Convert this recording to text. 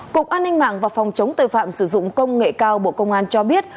cục an ninh mạng và phòng chống tội phạm sử dụng công nghệ cao bộ công an cho biết